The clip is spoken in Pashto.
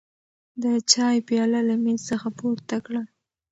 د چای پیاله له مېز څخه پورته کړه.